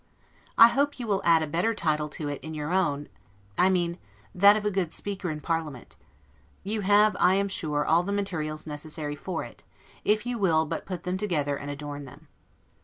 I hope you will add a better title to it in your own, I mean that of a good speaker in parliament: you have, I am sure, all, the materials necessary for it, if you will but put them together and adorn them.